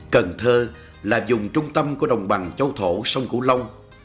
cần thơ là dùng trung tâm của đồng bằng châu thổ sông cửu long